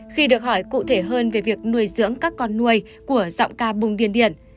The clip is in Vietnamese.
khi được hỏi cụ thể hơn về việc nuôi dưỡng các con nuôi của rộng ca bùng điên điển